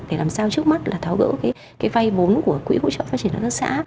để làm sao trước mắt là tháo gỡ cái vay vốn của quỹ hỗ trợ phát triển hợp tác xã